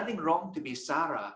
tidak ada yang salah dengan sarah